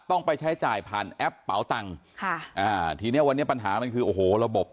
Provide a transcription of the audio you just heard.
ต้องไปใช้จ่ายผ่านแอปเป๋าตังค์ค่ะอ่าทีเนี้ยวันนี้ปัญหามันคือโอ้โหระบบ